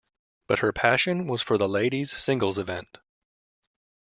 But her passion was for the ladies singles event.